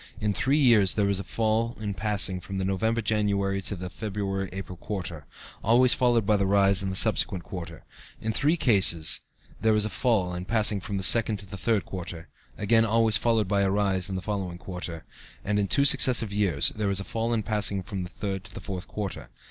In three years there is a fall in passing from the November January to the February April quarter (always followed by a rise in the subsequent quarter); in three cases there is a fall in passing from the second to the third quarter (again always followed by a rise in the following quarter), and in two successive years there is a fall in passing from the third to the fourth quarter.